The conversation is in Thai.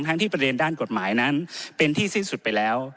ที่ประเด็นด้านกฎหมายนั้นเป็นที่สิ้นสุดไปแล้ว